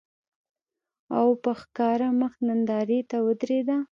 او په ښکاره مخ نندارې ته ودرېده